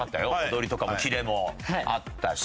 踊りとかもキレもあったし。